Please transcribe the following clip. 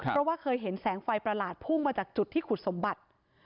เพราะว่าเคยเห็นแสงไฟประหลาดพุ่งมาจากจุดที่ขุดสมบัติ